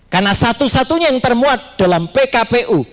karena satu satunya yang termuat dalam pkpu